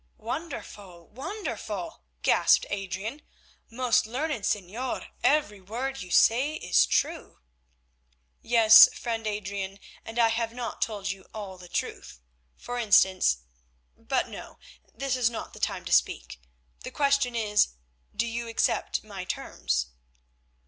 "Wonderful, wonderful!" gasped Adrian; "most learned señor, every word you say is true." "Yes, friend Adrian, and I have not told you all the truth. For instance—but, no, this is not the time to speak. The question is, do you accept my terms?"